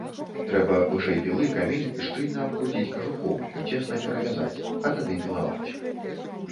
Трэба вышэй пілы камель шчыльна абкруціць кажухом і цесна перавязаць, а тады пілаваць.